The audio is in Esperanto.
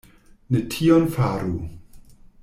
Ne tion faru.